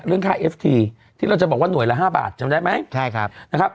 เรื่องค่าเอฟทีที่เราจะบอกว่าหน่วยละ๕บาทจำได้ไหมใช่ครับนะครับ